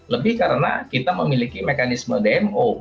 lebih karena kita memiliki mekanisme dmo